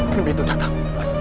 mimpi itu datang